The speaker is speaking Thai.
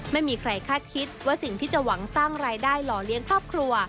ไม่มีใครคาดคิดว่าสิ่งที่จะหวังสร้างรายได้หล่อเลี้ยงครอบครัว